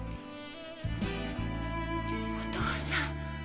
お父さん！？